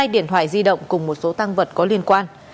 hai điện thoại di động cùng một số tăng vật có liên quan